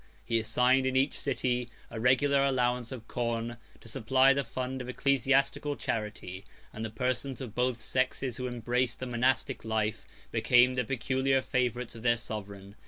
He assigned in each city a regular allowance of corn, to supply the fund of ecclesiastical charity; and the persons of both sexes who embraced the monastic life became the peculiar favorites of their sovereign.